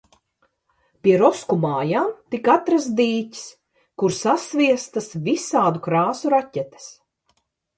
Pie Rosku mājām tika atrasts dīķis, kur sasviestas visādu krāsu raķetes.